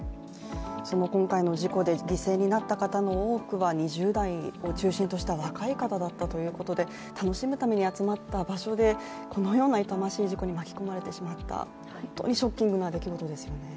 今回の事故で犠牲になった方の多くは２０代を中心とした若い方だったということで楽しむために集まった場所で、このような痛ましい事故に巻き込まれてしまった、本当にショッキングな出来事ですよね。